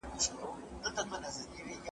ما لومړی غوښتل ترې تېر شم.